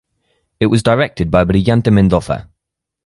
It was directed by Brillante Mendoza.